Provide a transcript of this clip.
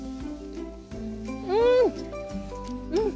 うん！